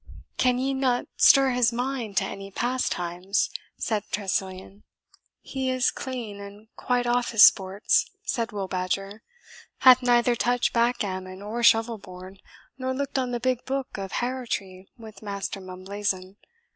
"Can ye not stir his mind to any pastimes?" said Tressilian. "He is clean and quite off his sports," said Will Badger; "hath neither touched backgammon or shovel board, nor looked on the big book of harrowtry wi' Master Mumblazen.